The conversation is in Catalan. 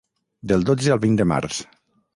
Del dotze al vint de març.